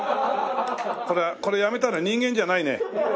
これやめたら人間じゃないね。